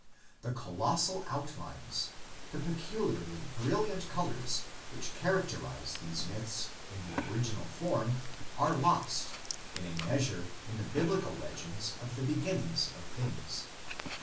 The colossal out lines, the peculiarly brilliant colors which character ise these myths in the original form are lost in a measure in the biblical legends of the beginnings of things.